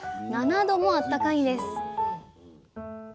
７℃もあったかいんです。